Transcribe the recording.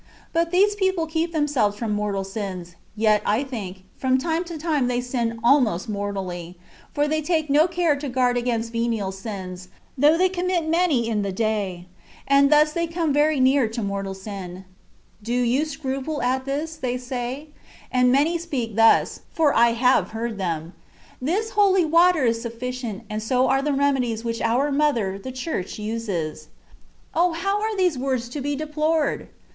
But these people keep themselves from mortal sins ; yet, I think, from time to time they sin almost mortally, for they take no care to guard against venial sins, though they commit many in the day ; and thus they come very near to mortal sin. '^ Do you scruple at this V they say ; and many speak thus (for I have heard them), ''This holy water is sufficient, and so are the remedies which our '240 CONCEPTIONS OF DIVINE LOVB. Mother, the Churcli, uses/' O! how are these words to be deplored